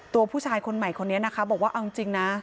ตัวผู้ชายคนใหม่คนนี้นะคะบอกว่าเอาจริงนะ